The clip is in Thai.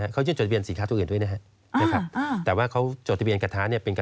เขายื่นจดทะเบียนสินค้าตัวอื่นด้วยนะครับ